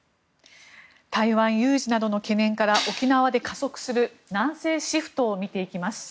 台湾有事などの懸念から沖縄で加速する南西シフトを見ていきます。